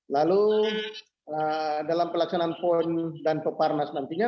lalu dalam pelaksanaan pon dan peparnas nantinya